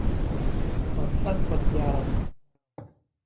ผ่อนสั้นผ่อนยาว